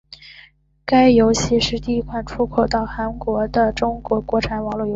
该游戏是第一款出口到韩国的中国国产网络游戏。